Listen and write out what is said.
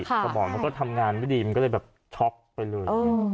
สมองมันก็ทำงานไม่ดีมันก็เลยแบบช็อกไปเลย